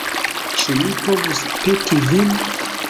Ĉu mi povus peti vin?